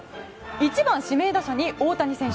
１番指名打者に大谷選手。